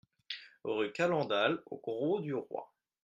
Rue Calendal au Grau-du-Roi